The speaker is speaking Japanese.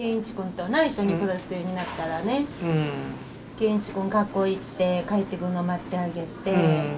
健一君学校行って帰ってくるの待ってあげて。